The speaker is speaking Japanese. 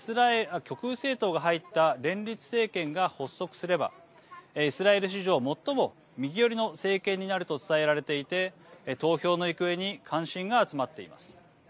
極右政党が入った連立政権が発足すればイスラエル史上、最も右寄りの政権になると伝えられていて投票の行方に関心が集まっています。